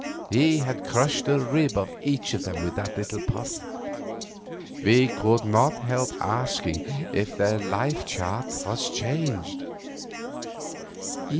He had crushed a rib of each of them with that little puff. We could not help asking if their life chart was changed.